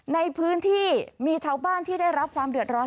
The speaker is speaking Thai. ในพื้นที่มีชาวบ้านที่ได้รับความเดือดร้อน